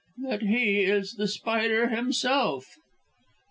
"That he is The Spider himself."